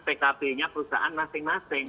pkb nya perusahaan masing masing